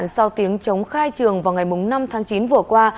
sau tiếng chống khai trường vào ngày năm tháng chín vừa qua